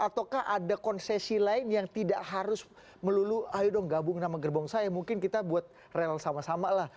ataukah ada konsesi lain yang tidak harus melulu ayo dong gabung nama gerbong saya mungkin kita buat rel sama sama lah